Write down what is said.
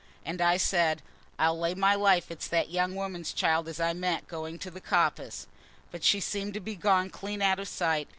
And I said, 'I'll lay my life it's that young woman's child as I met going to the coppice.' But she seemed to be gone clean out of sight.